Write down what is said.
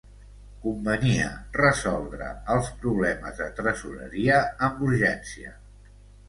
Convenia resoldre els problemes de tresoreria amb urgència.